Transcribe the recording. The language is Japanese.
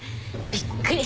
びっくり。